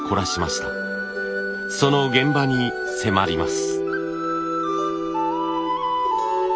その現場に迫ります。